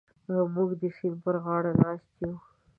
موږ د سیند پر غاړه ناست یو.